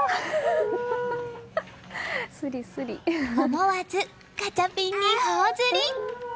思わずガチャピンに頬ずり。